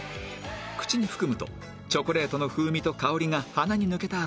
口に含むとチョコレートの風味と香りが鼻に抜けた